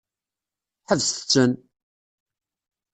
Ḥebset-ten!